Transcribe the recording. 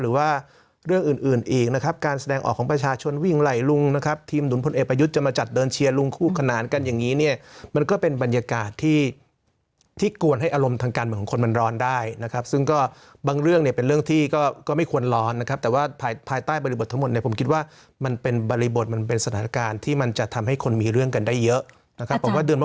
หรือว่าเรื่องอื่นอีกนะครับการแสดงออกของประชาชนวิ่งไหลลุงนะครับทีมดุลพลเอปายุทธจะมาจัดเดินเชียร์ลุงคู่ขนาดกันอย่างนี้เนี่ยมันก็เป็นบรรยากาศที่กวนให้อารมณ์ทางการเหมือนของคนมันร้อนได้นะครับซึ่งก็บางเรื่องเนี่ยเป็นเรื่องที่ก็ไม่ควรร้อนนะครับแต่ว่าภายใต้บริบททั้งหมดเนี่ยผมคิดว่าม